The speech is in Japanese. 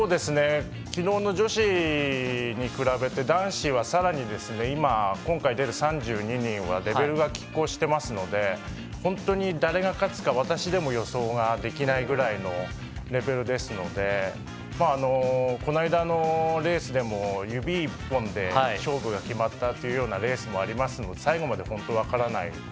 昨日の女子に比べて男子はさらに今回出る３２人はレベルがきっ抗してますので本当に誰が勝つか私でも予想ができないぐらいのレベルですのでこの間のレースでも指１本分で勝負が決まったレースもありますので最後まで本当分からない